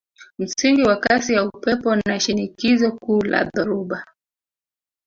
Msingi wa kasi ya upepo na shinikizo kuu la dhoruba